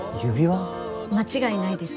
間違いないです。